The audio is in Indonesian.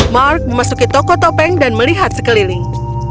mark memasuki toko topeng dan melihat sekeliling